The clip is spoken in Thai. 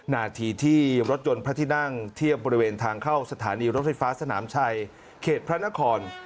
นาทีที่รถยนต์พระที่นั่งเทียบบริเวณทางเข้าสถานีรถไฟฟ้าสนามชัยเขตพระนคร